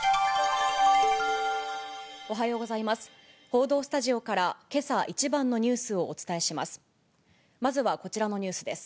報道スタジオから、けさ一番のニュースをお伝えします。